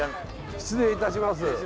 失礼いたします。